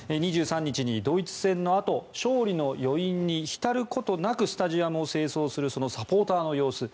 ２３日にドイツ戦のあと勝利の余韻に浸ることなくスタジアムを清掃するそのサポーターの様子